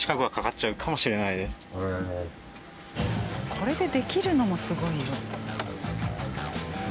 これでできるのもすごいよ。